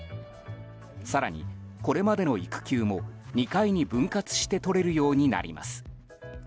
更に、これまでの育休も２回に分割してとれるようになります。